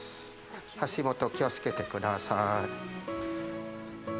足元、気をつけてください。